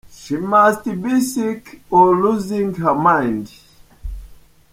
She mus be sick or loosing her mind.